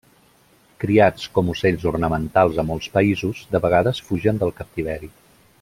Criats com ocells ornamentals a molts països, de vegades fugen del captiveri.